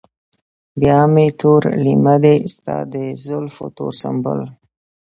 بيا مې تور لېمه دي ستا د زلفو تور سنبل